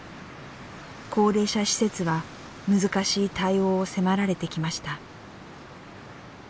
高齢者施設は難しい対応を迫られてきました。